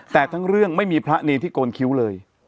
แต่ทั้งเรื่องไม่มีพระเนรที่โกนคิ้วเลย